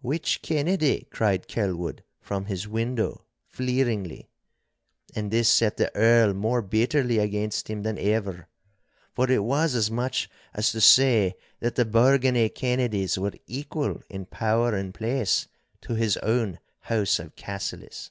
'Which Kennedy?' cried Kelwood, from his window, fleeringly. And this set the Earl more bitterly against him than ever, for it was as much as to say that the Bargany Kennedies were equal in power and place to his own house of Cassillis.